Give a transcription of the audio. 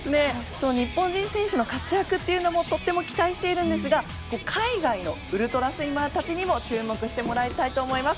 その日本人選手の活躍にもとても期待していますが海外のウルトラスイマーたちにも注目してもらいたいと思います。